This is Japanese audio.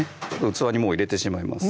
器にもう入れてしまいます